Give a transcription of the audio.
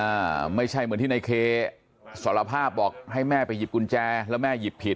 อ่าไม่ใช่เหมือนที่ในเคสารภาพบอกให้แม่ไปหยิบกุญแจแล้วแม่หยิบผิด